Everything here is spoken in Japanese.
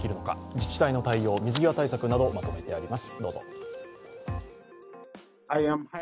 自治体の対応、水際対策などまとめてあります。